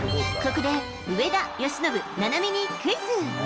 ここで上田、由伸、菜波にクイズ。